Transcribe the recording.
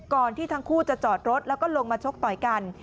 ที่ทั้งคู่จะจอดรถแล้วก็ลงมาชกต่อยกัน